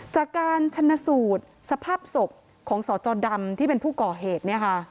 จากการชนะสูตรสภาพศพของสจดำที่เป็นผู้ก่อเหตุ